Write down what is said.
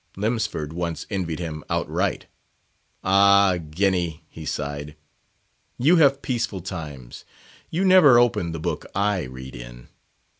Lemsford once envied him outright, "Ah, Guinea!" he sighed, "you have peaceful times; you never opened the book I read in."